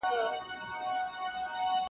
ادب کي دا کيسه ژوندۍ ده,